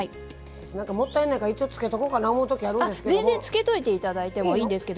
もったいないから一応、つけとこうかな思うときあるんですけど。